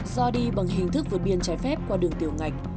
do đi bằng hình thức vượt biên trái phép qua đường tiểu ngạch